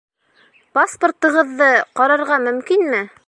Паспортығыҙҙы ҡарарға мөмкинме?